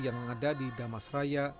yang ada di damas raya